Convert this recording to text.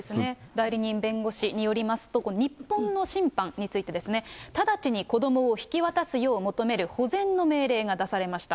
代理人弁護士によりますと、日本の審判についてですね、直ちに子どもを引き渡すよう求める保全の命令が出されました。